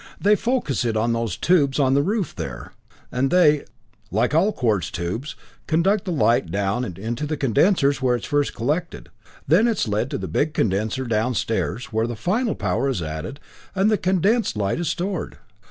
They focus it on those tubes on the roof there, and they, like all quartz tubes, conduct the light down into the condensers where it is first collected. Then it is led to the big condenser downstairs, where the final power is added, and the condensed light is stored.